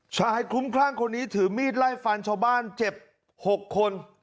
ชายคุ้มคร่างคนนี้ถือมีดไล่ฟันชาวบ้านเจ็บหกคน